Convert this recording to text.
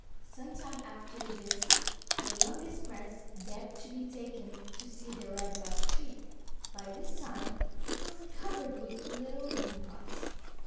Some time after this the youngest prince begged to be taken to see the Red Bud Tree. By this time it was covered with little bean pods.